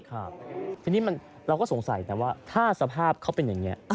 ทีนี้เราก็สงสัยแต่ว่าถ้าสภาพเขาเป็นอย่างนี้